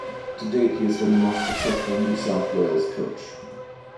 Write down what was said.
To date, he has been the most successful New South Wales coach.